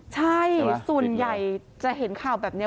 ใช่ส่วนใหญ่จะเห็นข่าวแบบนี้